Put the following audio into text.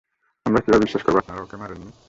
আমরা কীভাবে বিশ্বাস করব যে আপনারা ওকে মারেননি?